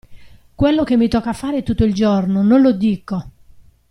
Quello che mi tocca fare tutto il giorno, non lo dico.